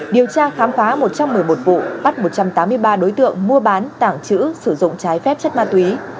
điều tra khám phá một trăm một mươi một vụ bắt một trăm tám mươi ba đối tượng mua bán tảng trữ sử dụng trái phép chất ma túy